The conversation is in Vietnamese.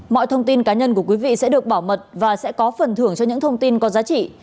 mọi thông tin cá nhân của quý vị sẽ được bảo mật và sẽ có phần thưởng cho những thông tin có giá trị